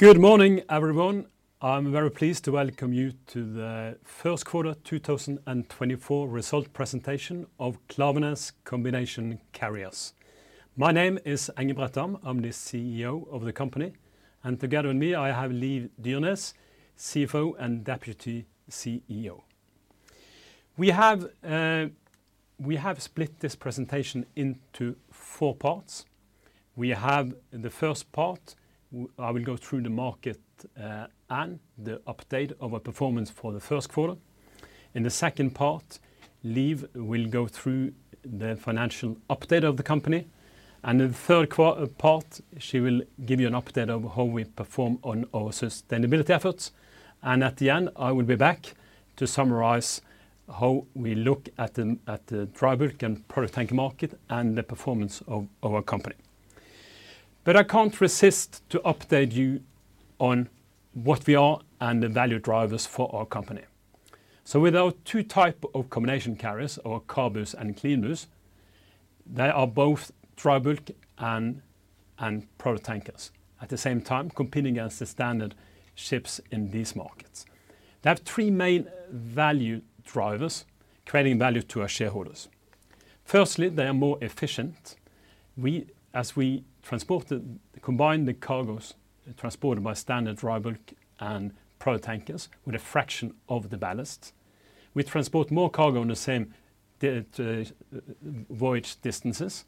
Good morning, everyone. I'm very pleased to welcome you to the first quarter 2024 result presentation of Klaveness Combination Carriers. My name is Engebret Dahm. I'm the CEO of the company, and together with me, I have Liv Dyrnes, CFO and Deputy CEO. We have split this presentation into four parts. We have in the first part, I will go through the market and the update of our performance for the first quarter. In the second part, Liv will go through the financial update of the company, and in the third part, she will give you an update of how we perform on our sustainability efforts. And at the end, I will be back to summarize how we look at the dry bulk and product tanker market and the performance of our company. But I can't resist to update you on what we are and the value drivers for our company. So with our two type of combination carriers or CABUs and CLEANBUs, they are both dry bulk and, and product tankers at the same time, competing against the standard ships in these markets. They have three main value drivers creating value to our shareholders. Firstly, they are more efficient. We, as we transport the combined the CABUs transported by standard dry bulk and product tankers with a fraction of the ballasts, we transport more cargo on the same, the, voyage distances,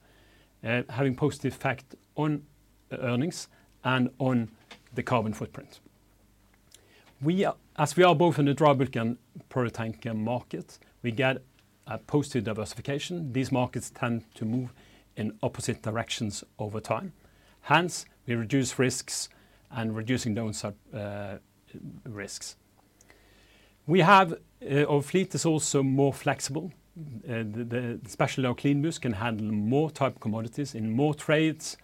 having positive effect on earnings and on the carbon footprint. We are, as we are both in the dry bulk and product tanker market, we get a positive diversification. These markets tend to move in opposite directions over time. Hence, we reduce risks and reducing downside risks. We have our fleet is also more flexible, especially our CLEANBUs can handle more type commodities in more trades,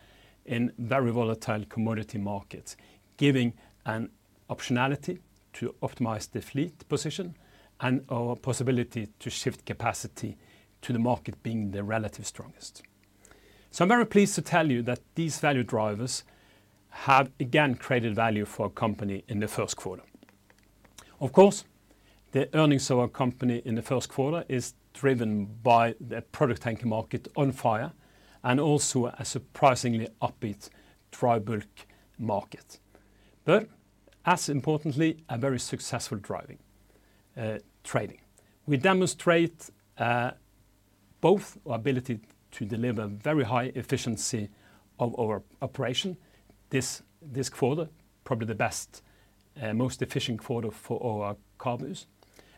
in very volatile commodity markets, giving an optionality to optimize the fleet position and our possibility to shift capacity to the market being the relative strongest. So I'm very pleased to tell you that these value drivers have again created value for our company in the first quarter. Of course, the earnings of our company in the first quarter is driven by the product tanker market on fire and also a surprisingly upbeat dry bulk market. But as importantly, a very successful dry trading. We demonstrate both our ability to deliver very high efficiency of our operation this quarter, probably the best most efficient quarter for our CABUs.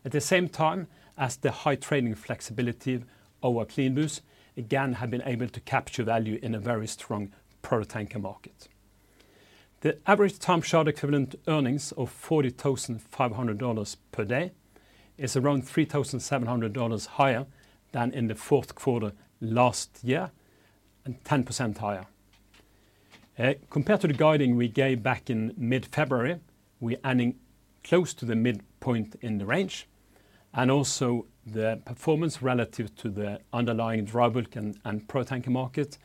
At the same time, as the high trading flexibility, our CLEANBUs again have been able to capture value in a very strong product tanker market. The average time charter equivalent earnings of $40,500 per day is around $3,700 higher than in the fourth quarter last year, and 10% higher. Compared to the guiding we gave back in mid-February, we're earning close to the midpoint in the range, and also the performance relative to the underlying dry bulk and product tanker market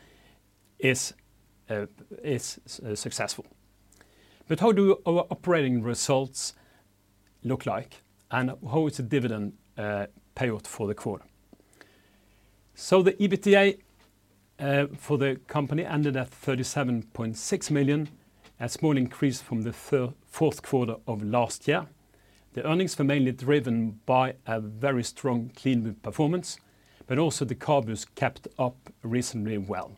is successful. But how do our operating results look like and how is the dividend payout for the quarter? So the EBITDA for the company ended at $37.6 million, a small increase from the fourth quarter of last year. The earnings were mainly driven by a very strong CLEANBU performance, but also the CABUs kept up reasonably well.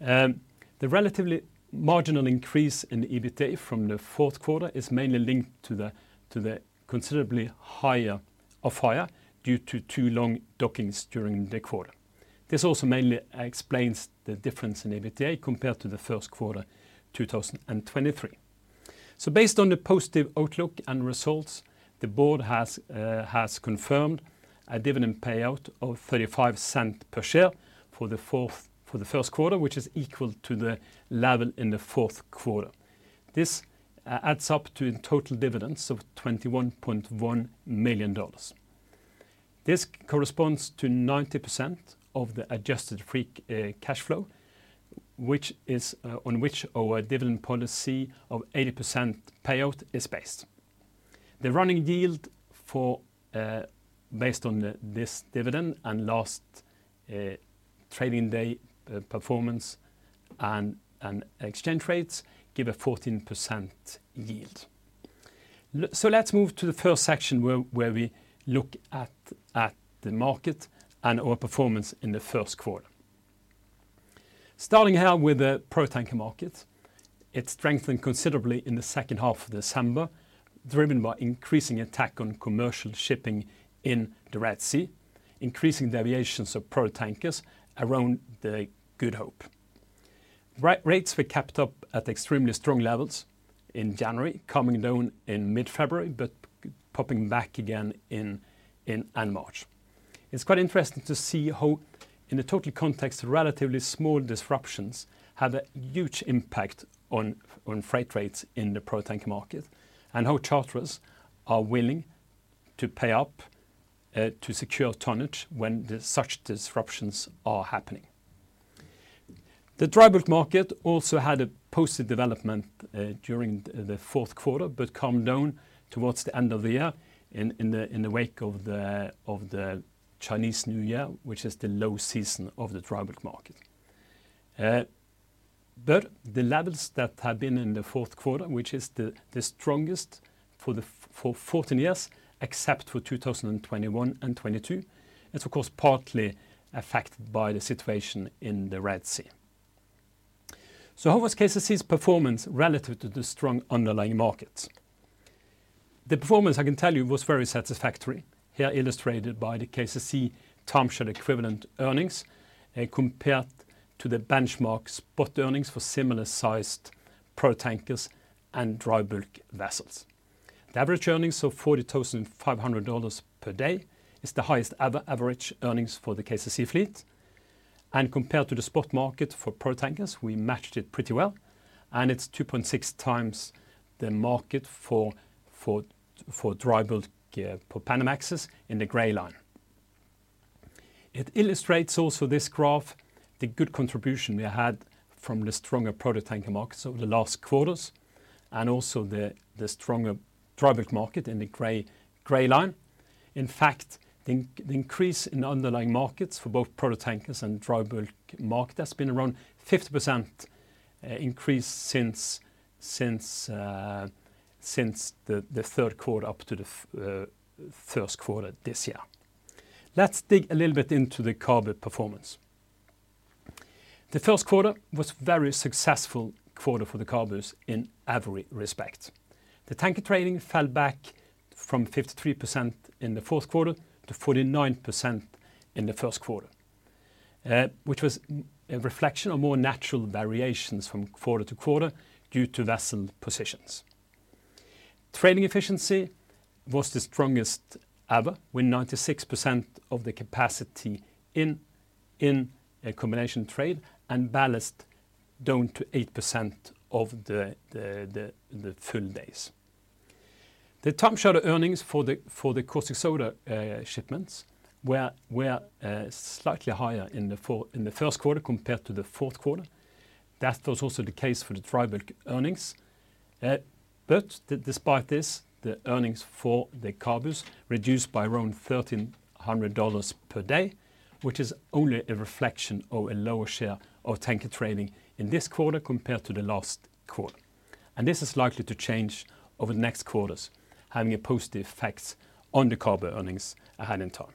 The relatively marginal increase in the EBITDA from the fourth quarter is mainly linked to the considerably higher due to two long dockings during the quarter. This also mainly explains the difference in EBITDA compared to the first quarter, 2023. So based on the positive outlook and results, the board has confirmed a dividend payout of $0.35 per share for the first quarter, which is equal to the level in the fourth quarter. This adds up to total dividends of $21.1 million. This corresponds to 90% of the adjusted free cash flow, which is on which our dividend policy of 80% payout is based. The running yield for, based on the, this dividend and last, trading day, performance and, and exchange rates give a 14% yield. So let's move to the first section where, where we look at, at the market and our performance in the first quarter. Starting here with the product tanker market, it strengthened considerably in the second half of December, driven by increasing attack on commercial shipping in the Red Sea, increasing deviations of product tankers around the Good Hope. Rates were kept up at extremely strong levels in January, coming down in mid-February, but popping back again in, in March. It's quite interesting to see how, in the total context, relatively small disruptions have a huge impact on, on freight rates in the product tanker market, and how charters are willing to pay up, to secure tonnage when such disruptions are happening. The dry bulk market also had a positive development, during the fourth quarter, but calmed down towards the end of the year in the wake of the Chinese New Year, which is the low season of the dry bulk market. But the levels that have been in the fourth quarter, which is the strongest for fourteen years, except for 2021 and 2022, it's of course, partly affected by the situation in the Red Sea. So how was KCC's performance relative to the strong underlying markets? The performance, I can tell you, was very satisfactory, here illustrated by the KCC time charter equivalent earnings and compared to the benchmark spot earnings for similar-sized product tankers and dry bulk vessels. The average earnings of $40,500 per day is the highest average earnings for the KCC fleet. Compared to the spot market for product tankers, we matched it pretty well, and it's 2.6x the market for dry bulk for Panamax in the gray line. It illustrates also this graph, the good contribution we had from the stronger product tanker markets over the last quarters, and also the stronger dry bulk market in the gray line. In fact, the increase in underlying markets for both product tankers and dry bulk market has been around 50% increase since the third quarter up to the first quarter this year. Let's dig a little bit into the CABU performance. The first quarter was very successful quarter for the CABUs in every respect. The tanker trading fell back from 53% in the fourth quarter to 49% in the first quarter, which was a reflection of more natural variations from quarter to quarter due to vessel positions. Trading efficiency was the strongest ever, with 96% of the capacity in a combination trade and ballast down to 8% of the full days. The time charter earnings for the caustic soda shipments were slightly higher in the first quarter compared to the fourth quarter. That was also the case for the dry bulk earnings. But despite this, the earnings for the CABUs reduced by around $1,300 per day, which is only a reflection of a lower share of tanker trading in this quarter compared to the last quarter. And this is likely to change over the next quarters, having a positive effect on the CABU earnings ahead in time.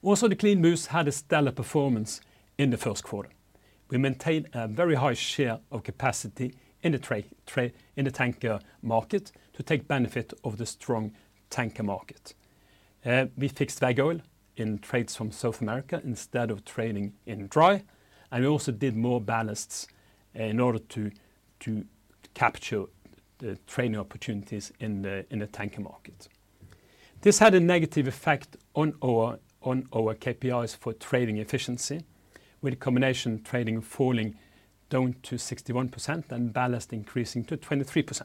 Also, the CLEANBUs had a stellar performance in the first quarter. We maintained a very high share of capacity in the trade in the tanker market to take benefit of the strong tanker market. We focused on veg oil in trades from South America instead of trading in dry, and we also did more ballasts in order to capture the trading opportunities in the tanker market. This had a negative effect on our KPIs for trading efficiency, with combination trading falling down to 61% and ballast increasing to 23%.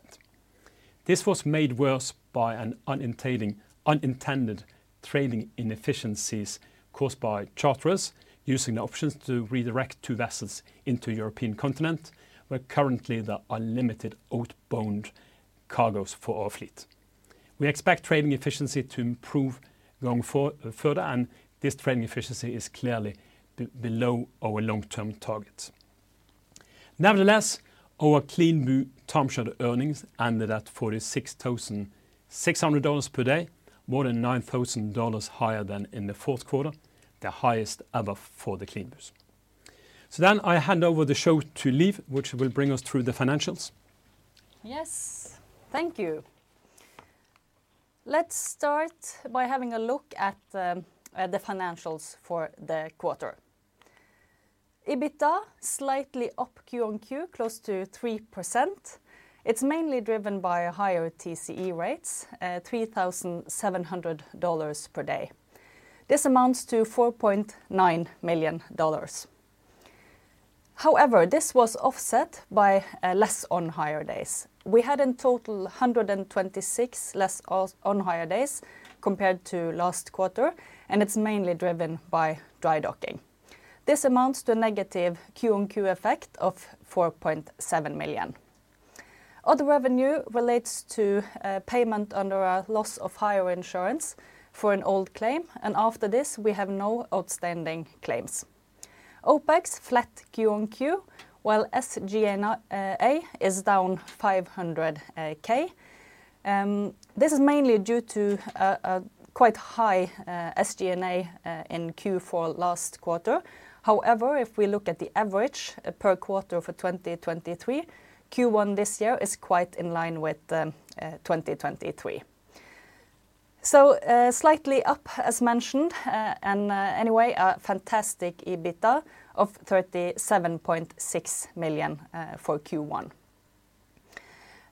This was made worse by an unintended trading inefficiencies caused by charterers using the options to redirect two vessels into European continent, where currently there are limited outbound cargoes for our fleet. We expect trading efficiency to improve going forward, and this trading efficiency is clearly below our long-term target. Nevertheless, our clean time charter earnings ended at $46,600 per day, more than $9,000 higher than in the fourth quarter, the highest ever for the CLEANBUs. So then I hand over the show to Liv, which will bring us through the financials. Yes. Thank you. Let's start by having a look at the financials for the quarter. EBITDA slightly up Q-on-Q, close to 3%. It's mainly driven by higher TCE rates, $3,700 per day. This amounts to $4.9 million. However, this was offset by less on hire days. We had in total 126 less on hire days compared to last quarter, and it's mainly driven by dry docking. This amounts to a negative Q-on-Q effect of $4.7 million. Other revenue relates to payment under a loss of hire insurance for an old claim, and after this, we have no outstanding claims. OpEx flat Q-on-Q, while SG&A is down $500,000. This is mainly due to a quite high SG&A in Q4 last quarter. However, if we look at the average per quarter for 2023, Q1 this year is quite in line with 2023. So, slightly up, as mentioned, and anyway, a fantastic EBITDA of $37.6 million for Q1.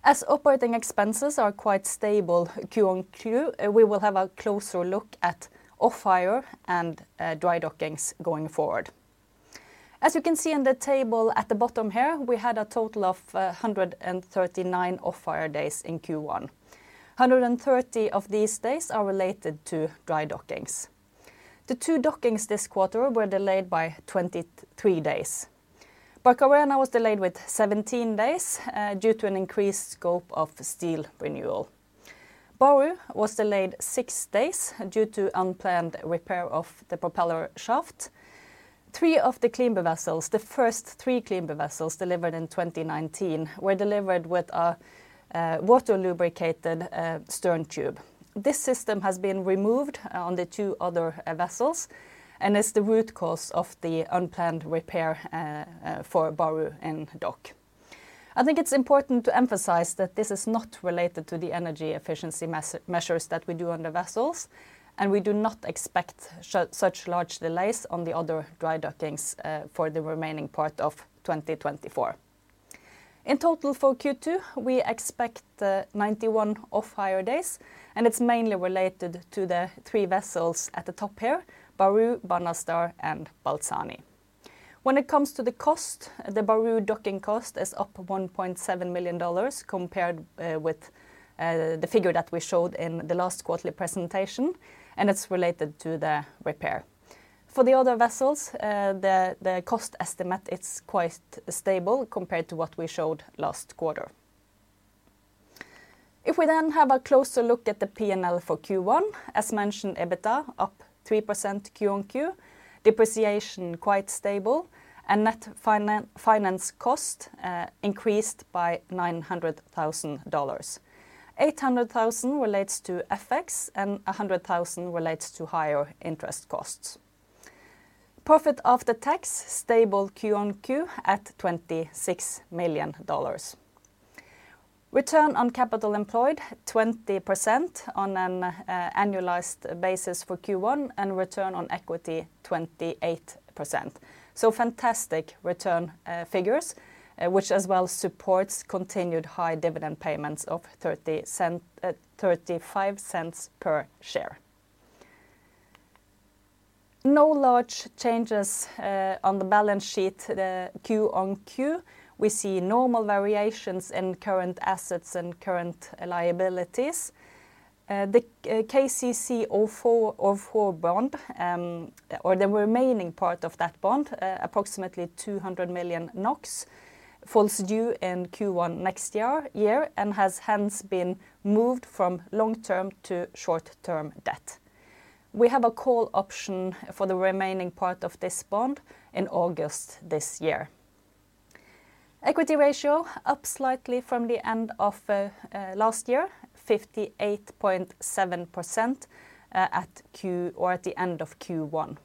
As operating expenses are quite stable Q-on-Q, we will have a closer look at off-hire and dry dockings going forward. As you can see in the table at the bottom here, we had a total of 139 off-hire days in Q1. 130 of these days are related to dry dockings. The two dockings this quarter were delayed by 23 days. Barcarena was delayed with 17 days due to an increased scope of steel renewal. Baru was delayed six days due to unplanned repair of the propeller shaft. Three of the CLEANBU vessels, the first three CLEANBU vessels delivered in 2019, were delivered with a water-lubricated stern tube. This system has been removed on the two other vessels, and is the root cause of the unplanned repair for Baru in dock. I think it's important to emphasize that this is not related to the energy efficiency measures that we do on the vessels, and we do not expect such large delays on the other dry dockings for the remaining part of 2024. In total for Q2, we expect 91 off-hire days, and it's mainly related to the three vessels at the top here, Baru, Banastar, and Balzani. When it comes to the cost, the Baru docking cost is up $1.7 million, compared with the figure that we showed in the last quarterly presentation, and it's related to the repair. For the other vessels, the cost estimate is quite stable compared to what we showed last quarter. If we then have a closer look at the P&L for Q1, as mentioned, EBITDA up 3% Q-on-Q. Depreciation quite stable, and net finance cost increased by $900,000. $800,000 relates to FX, and $100,000 relates to higher interest costs. Profit after tax, stable Q-on-Q at $26 million. Return on capital employed, 20% on an annualized basis for Q1, and return on equity, 28%. Fantastic return figures, which as well supports continued high dividend payments of $0.35 per share. No large changes on the balance sheet, Q-on-Q. We see normal variations in current assets and current liabilities. The KCC04 bond, or the remaining part of that bond, approximately 200 million NOK, falls due in Q1 next year and has hence been moved from long-term to short-term debt. We have a call option for the remaining part of this bond in August this year. Equity ratio up slightly from the end of last year, 58.7%, at the end of Q1.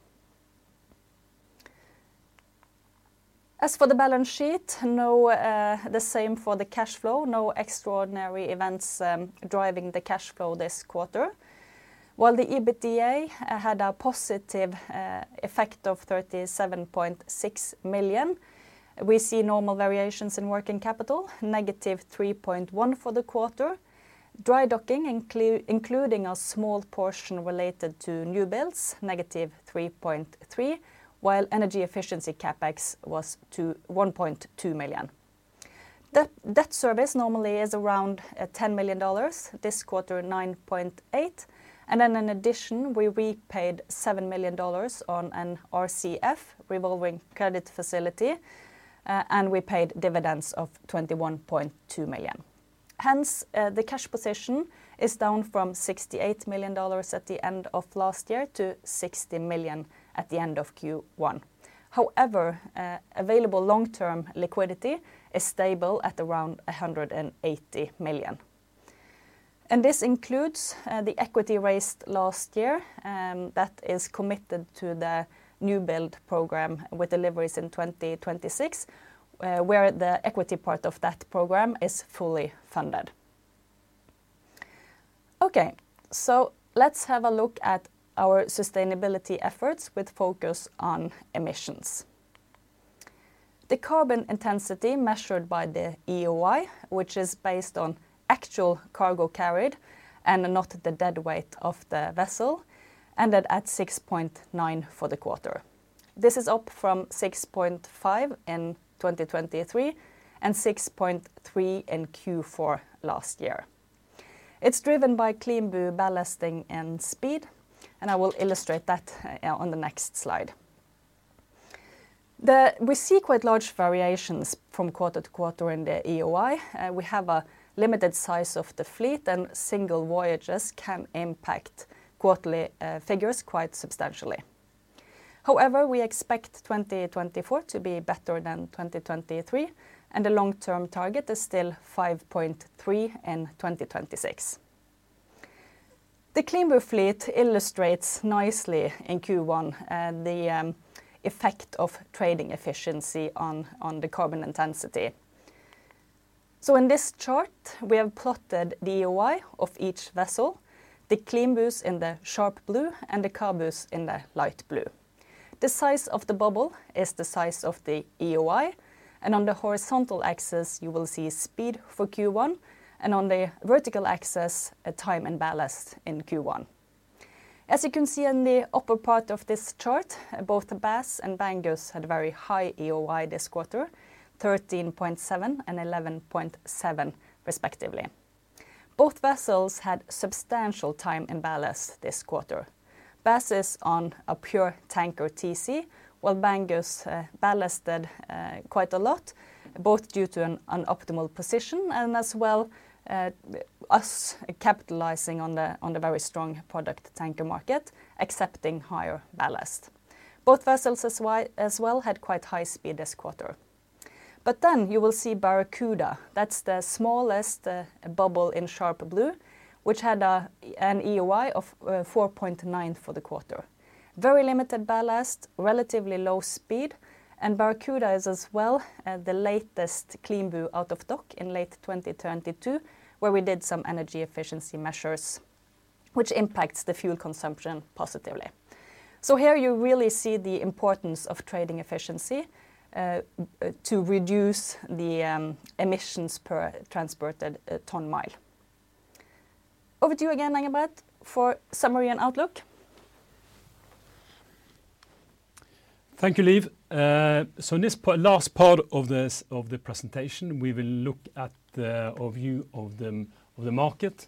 As for the balance sheet, the same for the cash flow, no extraordinary events driving the cash flow this quarter. While the EBITDA had a positive effect of $37.6 million, we see normal variations in working capital, -$3.1 million for the quarter. Dry docking, including a small portion related to new builds, -$3.3 million, while energy efficiency CapEx was $1.2 million. Debt service normally is around $10 million, this quarter, $9.8 million, and then in addition, we repaid $7 million on an RCF, revolving credit facility, and we paid dividends of $21.2 million. Hence, the cash position is down from $68 million at the end of last year to $60 million at the end of Q1. However, available long-term liquidity is stable at around $180 million, and this includes, the equity raised last year, that is committed to the new build program with deliveries in 2026, where the equity part of that program is fully funded. Okay, so let's have a look at our sustainability efforts with focus on emissions. The carbon intensity measured by the EEOI, which is based on actual cargo carried and not the dead weight of the vessel, ended at 6.9 for the quarter. This is up from 6.5 in 2023, and 6.3 in Q4 last year. It's driven by CLEANBU ballasting and speed, and I will illustrate that, on the next slide. We see quite large variations from quarter to quarter in the EEOI. We have a limited size of the fleet, and single voyages can impact quarterly figures quite substantially. However, we expect 2024 to be better than 2023, and the long-term target is still 5.3 in 2026. The CLEANBU fleet illustrates nicely in Q1 the effect of trading efficiency on the carbon intensity. So in this chart, we have plotted the EEOI of each vessel, the CLEANBUs in the dark blue and the CABUs in the light blue. The size of the bubble is the size of the EEOI, and on the horizontal axis, you will see speed for Q1, and on the vertical axis, a time and ballast in Q1. As you can see in the upper part of this chart, both the Bass and Bangor had very high EEOI this quarter, 13.7 and 11.7 respectively. Both vessels had substantial time in ballast this quarter. Bass is on a pure tanker TC, while Bangor ballasted quite a lot, both due to a suboptimal position and as well, us capitalizing on the very strong product tanker market, accepting higher ballast. Both vessels as well had quite high speed this quarter. But then you will see Barracuda. That's the smallest bubble in sharper blue, which had an EEOI of 4.9 for the quarter. Very limited ballast, relatively low speed, and Barracuda is as well, the latest CLEANBU out of dock in late 2022, where we did some energy efficiency measures, which impacts the fuel consumption positively. So here you really see the importance of trading efficiency, to reduce the, emissions per transported, ton mile. Over to you again, Engebret for summary and outlook. Thank you, Liv. So in this last part of the presentation, we will look at our view of the market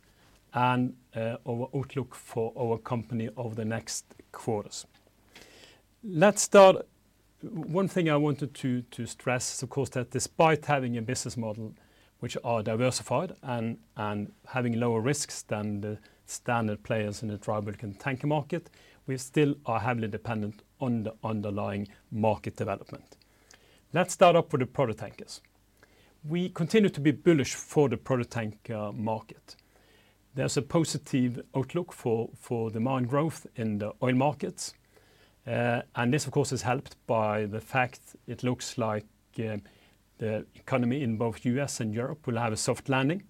and our outlook for our company over the next quarters. Let's start. One thing I wanted to stress, of course, that despite having a business model which are diversified and having lower risks than the standard players in the dry bulk and tanker market, we still are heavily dependent on the underlying market development. Let's start off with the product tankers. We continue to be bullish for the product tanker market. There's a positive outlook for demand growth in the oil markets, and this of course is helped by the fact it looks like the economy in both U.S. and Europe will have a soft landing.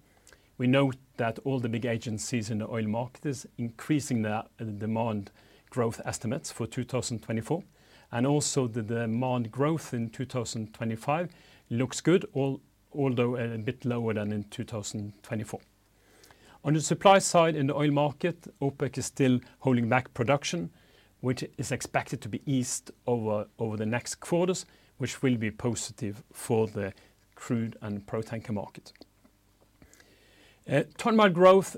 We know that all the big agencies in the oil market is increasing the demand growth estimates for 2024, and also the demand growth in 2025 looks good, although a bit lower than in 2024. On the supply side, in the oil market, OPEC is still holding back production, which is expected to be eased over the next quarters, which will be positive for the crude and product tanker market. Ton-mile growth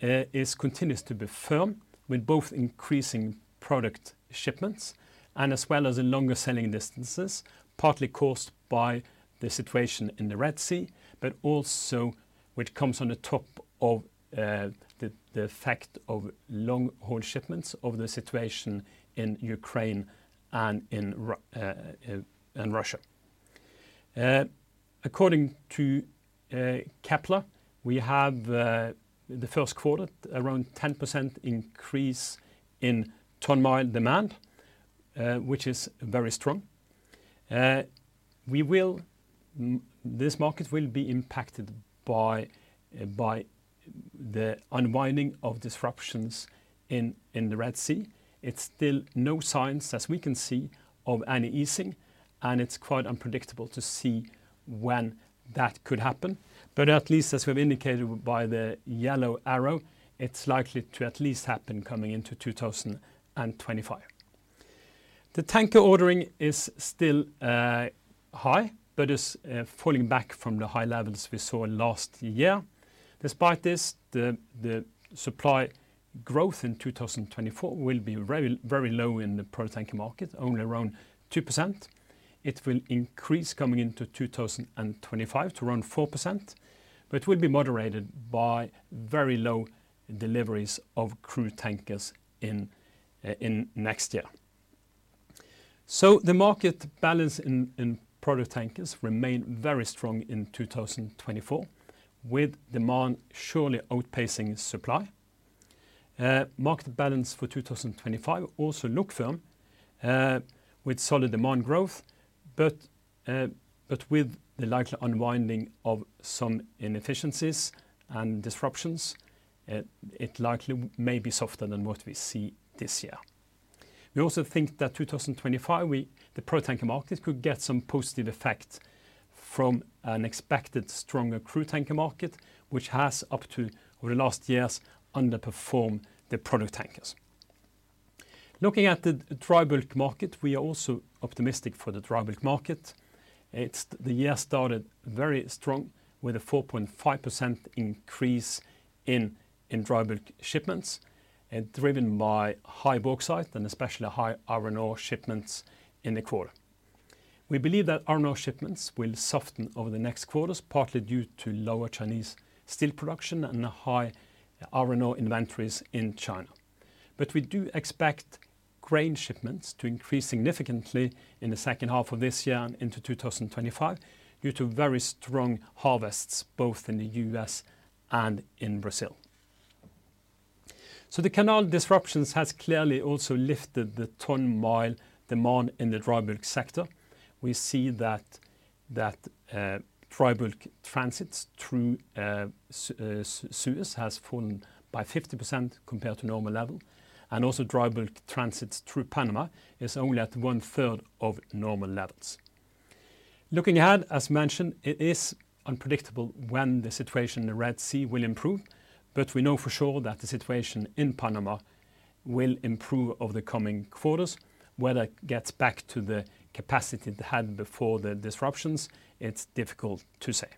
continues to be firm, with both increasing product shipments and as well as in longer sailing distances, partly caused by the situation in the Red Sea, but also which comes on the top of the effect of long-haul shipments over the situation in Ukraine and in Russia. According to Kpler, we have the first quarter, around 10% increase in ton mile demand, which is very strong. This market will be impacted by the unwinding of disruptions in the Red Sea. It's still no signs, as we can see, of any easing, and it's quite unpredictable to see when that could happen. But at least as we've indicated by the yellow arrow, it's likely to at least happen coming into 2025. The tanker ordering is still high, but is falling back from the high levels we saw last year. Despite this, the supply growth in 2024 will be very, very low in the product tanker market, only around 2%. It will increase coming into 2025 to around 4%, but it will be moderated by very low deliveries of crude tankers in next year. So the market balance in product tankers remain very strong in 2024, with demand surely outpacing supply. Market balance for 2025 also look firm, with solid demand growth, but with the likely unwinding of some inefficiencies and disruptions, it likely may be softer than what we see this year. We also think that 2025, the product tanker market could get some positive effect from an expected stronger crude tanker market, which has up to over the last years, underperformed the product tankers. Looking at the dry bulk market, we are also optimistic for the dry bulk market. The year started very strong, with a 4.5% increase in dry bulk shipments, and driven by high bauxite and especially high iron ore shipments in the quarter. We believe that iron ore shipments will soften over the next quarters, partly due to lower Chinese steel production and high iron ore inventories in China. But we do expect grain shipments to increase significantly in the second half of this year and into 2025, due to very strong harvests both in the U.S. and in Brazil. So the canal disruptions has clearly also lifted the ton-mile demand in the dry bulk sector. We see that dry bulk transits through Suez has fallen by 50% compared to normal level, and also dry bulk transits through Panama is only at one third of normal levels. Looking ahead, as mentioned, it is unpredictable when the situation in the Red Sea will improve, but we know for sure that the situation in Panama will improve over the coming quarters. Whether it gets back to the capacity it had before the disruptions, it's difficult to say.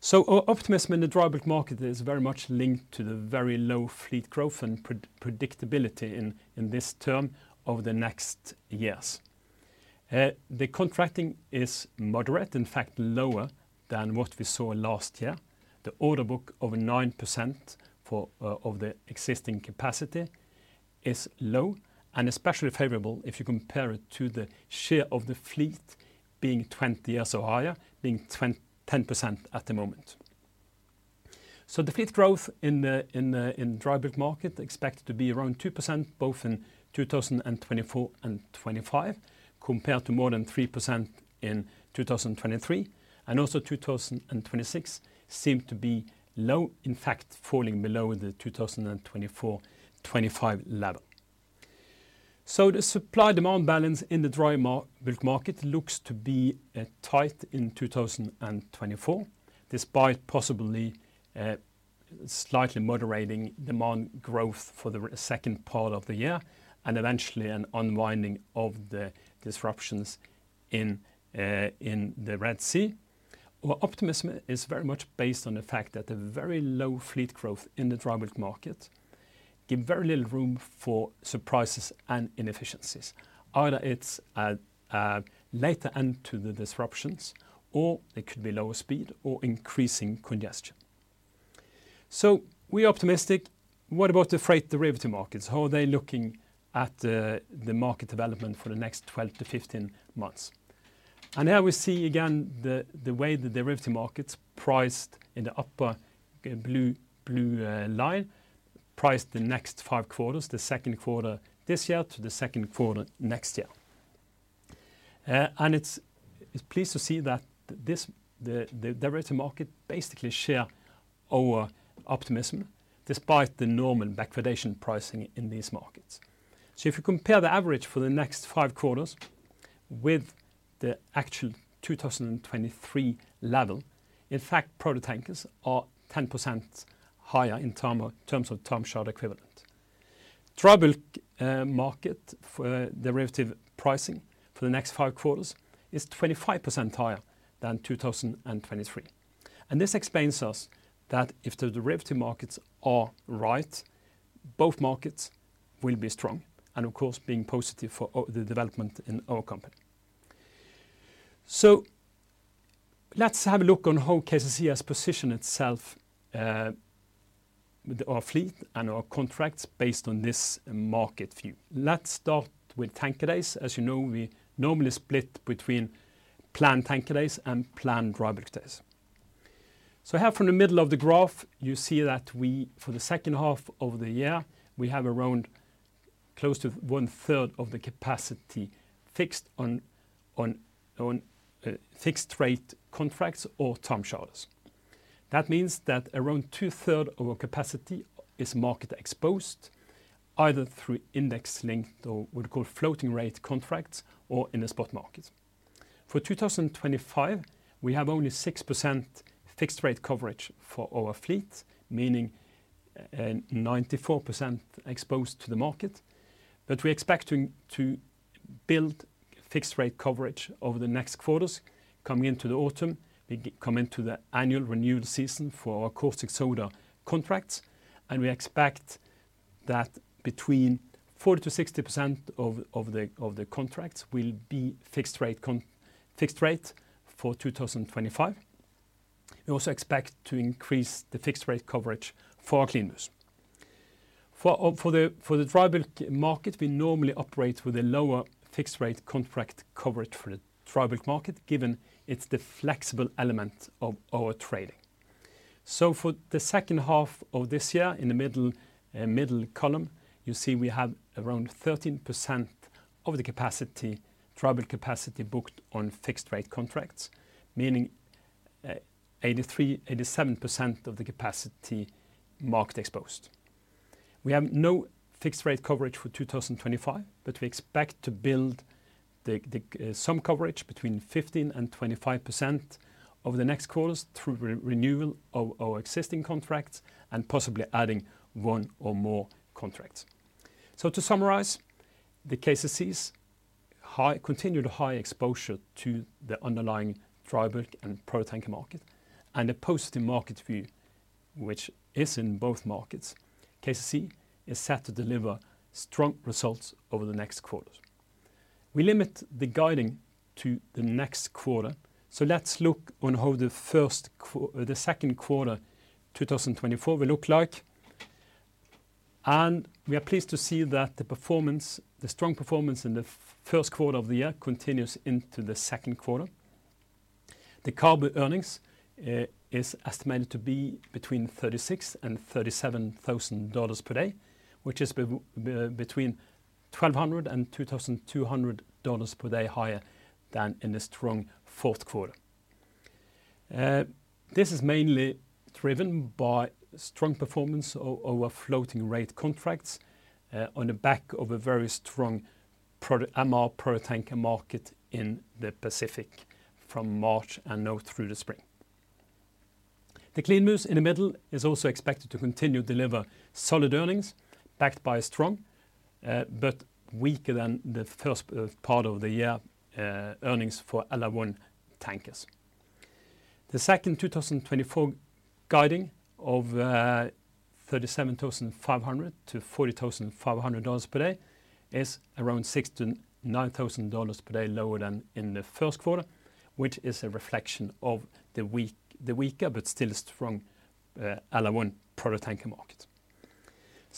So optimism in the dry bulk market is very much linked to the very low fleet growth and predictability in this term over the next years. The contracting is moderate, in fact, lower than what we saw last year. The order book over 9% for of the existing capacity is low and especially favorable if you compare it to the share of the fleet being 20 years or higher, being 10% at the moment. So the fleet growth in the dry bulk market is expected to be around 2%, both in 2024 and 2025, compared to more than 3% in 2023. And also 2026 seems to be low, in fact, falling below the 2024, 2025 level. So the supply-demand balance in the dry bulk market looks to be tight in 2024, despite possibly slightly moderating demand growth for the second part of the year, and eventually an unwinding of the disruptions in the Red Sea. Well, optimism is very much based on the fact that the very low fleet growth in the dry bulk market gives very little room for surprises and inefficiencies. Either it's a later end to the disruptions, or it could be lower speed or increasing congestion. So we are optimistic. What about the freight derivative markets? How are they looking at the market development for the next 12 to 15 months? And here we see again the way the derivative market is priced in the upper blue, blue line. Priced the next five quarters, the second quarter this year to the second quarter next year. And it's pleased to see that the derivative market basically shares our optimism despite the normal backwardation pricing in these markets. So if you compare the average for the next five quarters with the actual 2023 level, in fact, product tankers are 10% higher in terms of time charter equivalent. Dry bulk market for derivative pricing for the next five quarters is 25% higher than 2023. And this explains to us that if the derivative markets are right, both markets will be strong and, of course, being positive for the development in our company. So let's have a look on how KCC has positioned itself with our fleet and our contracts based on this market view. Let's start with tanker days. As you know, we normally split between planned tanker days and planned dry bulk days. So here from the middle of the graph, you see that we, for the second half of the year, we have around close to one third of the capacity fixed on fixed rate contracts or time charters. That means that around two-thirds of our capacity is market exposed, either through index linked or what we call floating rate contracts or in the spot market. For 2025, we have only 6% fixed rate coverage for our fleet, meaning 94% exposed to the market. But we expect to build fixed rate coverage over the next quarters. Coming into the autumn, we come into the annual renewal season for our caustic soda contracts, and we expect that between 40%-60% of the contracts will be fixed rate for 2025. We also expect to increase the fixed rate coverage for our CLEANBUs. For the dry bulk market, we normally operate with a lower fixed rate contract coverage for the dry bulk market, given it's the flexible element of our trading. So for the second half of this year, in the middle column, you see we have around 13% of the capacity, dry bulk capacity, booked on fixed rate contracts, meaning, 83%-87% of the capacity market exposed. We have no fixed rate coverage for 2025, but we expect to build some coverage between 15%-25% over the next quarters through renewal of our existing contracts and possibly adding one or more contracts. So to summarize, the KCC's continued high exposure to the underlying dry bulk and product tanker market and a positive market view, which is in both markets, KCC is set to deliver strong results over the next quarters. We limit the guiding to the next quarter, so let's look on how the second quarter, 2024, will look like. We are pleased to see that the performance, the strong performance in the first quarter of the year continues into the second quarter. The CABU earnings is estimated to be between $36,000 and $37,000 per day, which is between $1,200 and $2,200 per day higher than in the strong fourth quarter. This is mainly driven by strong performance of our floating rate contracts on the back of a very strong MR product tanker market in the Pacific from March and now through the spring. The CLEANBUs in the middle is also expected to continue to deliver solid earnings, backed by a strong but weaker than the first part of the year earnings for LR1 tankers. The second 2024 guidance of $37,500-$40,500 per day is around $6,000-$9,000 per day lower than in the first quarter, which is a reflection of the weaker but still strong LR1 product tanker market.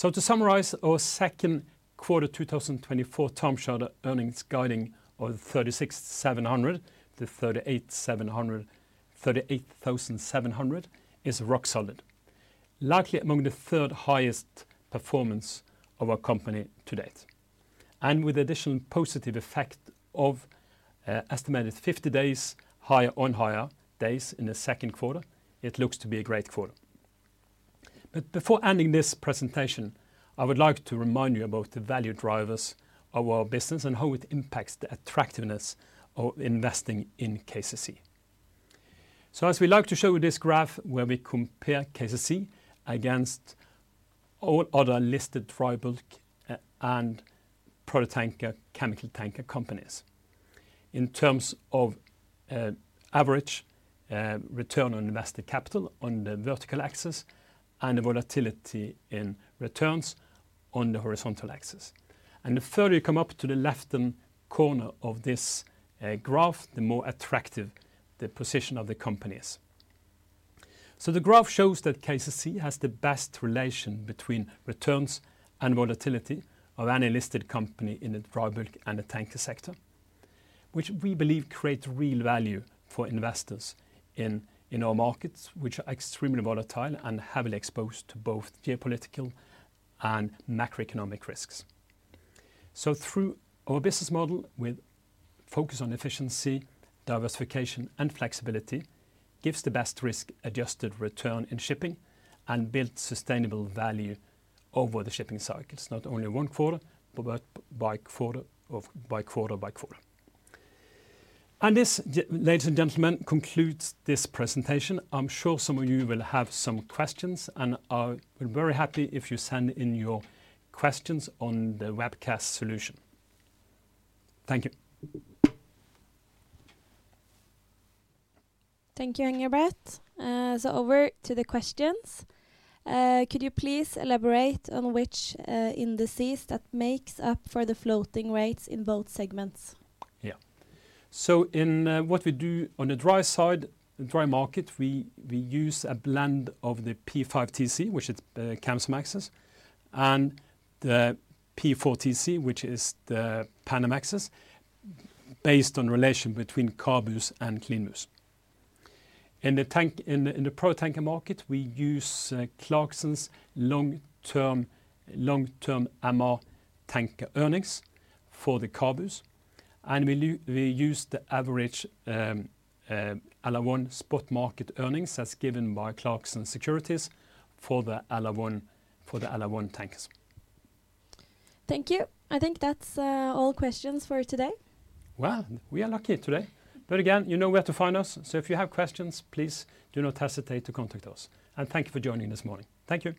To summarize, our second quarter 2024 time charter earnings guiding of $36,700-$38,700 is rock solid, likely among the third highest performance of our company to date. With additional positive effect of estimated 50 days higher on hire days in the second quarter, it looks to be a great quarter. Before ending this presentation, I would like to remind you about the value drivers of our business and how it impacts the attractiveness of investing in KCC. As we like to show this graph where we compare KCC against all other listed dry bulk and product tanker, chemical tanker companies, in terms of average return on invested capital on the vertical axis and the volatility in returns on the horizontal axis. And the further you come up to the left-hand corner of this graph, the more attractive the position of the company is. So the graph shows that KCC has the best relation between returns and volatility of any listed company in the dry bulk and the tanker sector, which we believe creates real value for investors in our markets, which are extremely volatile and heavily exposed to both geopolitical and macroeconomic risks. So through our business model, with focus on efficiency, diversification, and flexibility, gives the best risk-adjusted return in shipping and builds sustainable value over the shipping cycle. It's not only one quarter, but by quarter of, by quarter by quarter. And this, ladies and gentlemen, concludes this presentation. I'm sure some of you will have some questions, and I'll be very happy if you send in your questions on the webcast solution. Thank you. Thank you, Engebret. So over to the questions. Could you please elaborate on which indices that makes up for the floating rates in both segments? Yeah. So in what we do on the dry side, the dry market, we use a blend of the P5TC, which is Kamsarmaxes, and the P4TC, which is the Panamaxes, based on relation between CABUs and CLEANBUs. In the product tanker market, we use Clarksons long-term, long-term MR tanker earnings for the CABUs, and we use the average LR1 spot market earnings as given by Clarksons Securities for the LR1, for the LR1 tankers. Thank you. I think that's all questions for today. Well, we are lucky today, but again, you know where to find us, so if you have questions, please do not hesitate to contact us. And thank you for joining this morning. Thank you.